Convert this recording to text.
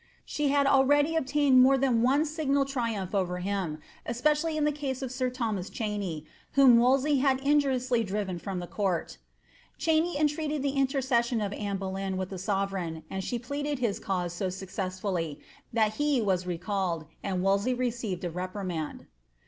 She had already obtained more than one signal triumph over bim, especially in the east of sir Thomas Cheney, whom Wolsey had injuriously drives tarn the court. Cheney entieated the intercession of Anne Boleyn vilb the lOTeretgn, and she pleaded his cause so successfully ihai he «u recalled, and Wolsey received a reprimand.'